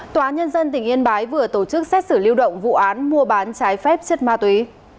tòa nhân dân tỉnh yên bái vừa tổ chức xét xử lưu động vụ án mua bán trái phép chất ma túy